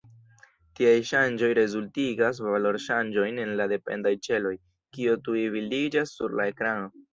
Tiaj ŝanĝoj rezultigas valorŝanĝojn en la dependaj ĉeloj, kio tuj bildiĝas sur la ekrano.